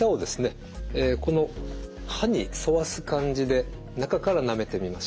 この歯に沿わす感じで中からなめてみましょう。